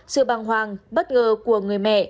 sự băng hoàng bất ngờ của người mẹ